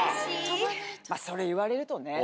それ言われるとね。